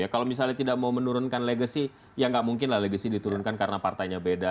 kalau misalnya tidak mau menurunkan legacy ya nggak mungkin lah legacy diturunkan karena partainya beda